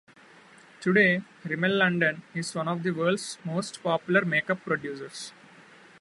Today, Rimmel London is one of the world's most popular make-up producers.